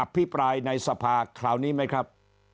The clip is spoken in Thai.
พิปรายในสภาคราวนี้ไหมครับ